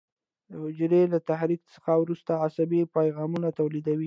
دا حجرې له تحریک څخه وروسته عصبي پیغامونه تولیدوي.